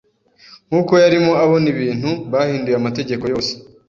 Nkuko yarimo abona ibintu, bahinduye amategeko yose.